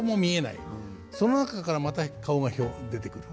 その中からまた顔がひょっと出てくる。